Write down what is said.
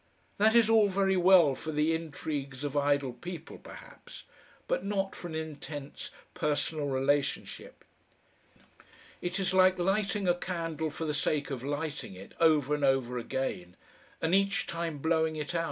That is all very well for the intrigues of idle people perhaps, but not for an intense personal relationship. It is like lighting a candle for the sake of lighting it, over and over again, and each time blowing it out.